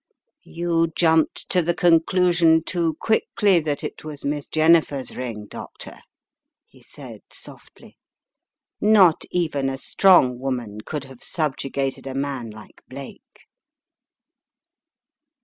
"You jumped to the conclusion too quickly that it was Miss Jennifer's ring, Doctor," he said, softly. "Not even a strong woman could have sub jugated a man like Blake."